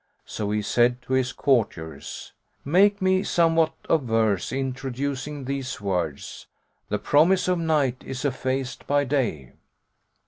So he said to his courtiers, "Make me somewhat of verse, introducing these words, The Promise of Night is effaced by Day.'"